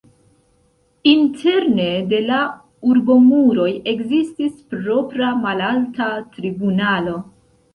Interne de la urbomuroj ekzistis propra malalta tribunalo.